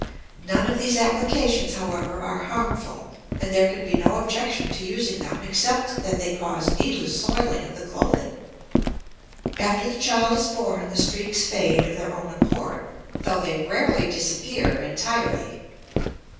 None of these applications, however, are harmful, and there can be no objection to using them except that they cause needless soiling of the clothing. After the child is born the streaks fade of their own accord, though they rarely disappear entirely.